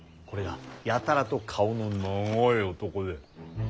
これがやたらと顔の長い男で。